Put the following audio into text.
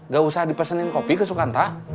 gak usah dipesenin kopi ke sukantah